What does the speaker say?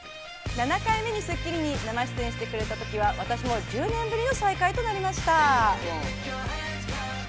７回目に『スッキリ』に生出演してくれた時は、私とは１０年ぶりの再会となりました。